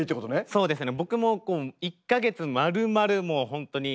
そうですね。